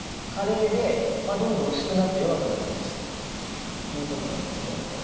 加齢でどんどん薄くなって弱くなっていっちゃうということなんですよ。